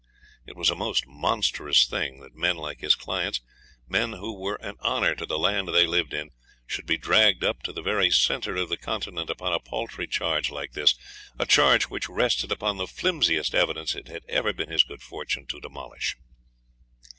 It was a most monstrous thing that men like his clients men who were an honour to the land they lived in should be dragged up to the very centre of the continent upon a paltry charge like this a charge which rested upon the flimsiest evidence it had ever been his good fortune to demolish.